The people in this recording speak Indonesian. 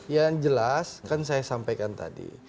yang jelas kan saya sampaikan tadi